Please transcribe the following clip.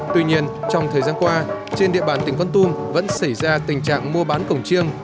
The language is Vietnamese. tuy nhiên trong thời gian qua trên địa bàn tỉnh con tum vẫn xảy ra tình trạng mua bán cổng chiêng